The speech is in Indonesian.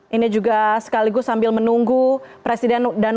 ini juga sekaligus sambil menunggu presiden dan wakil presiden